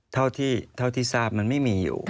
เท่าที่ทราบมันไม่มีอยู่